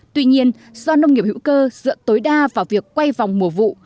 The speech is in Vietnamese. tuy nhiên do nông nghiệp hữu cơ dựa tối đa vào việc quay vòng mùa vụ